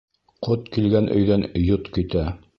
Ҡот килгән өйҙән йот китә.